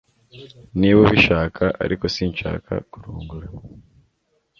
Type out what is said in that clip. niba ubishaka, ariko sinshaka kurongora